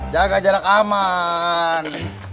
jaga jarak aman